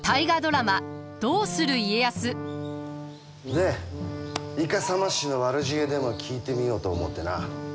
でイカサマ師の悪知恵でも聞いてみようと思うてな。